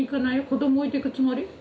子ども置いてくつもり？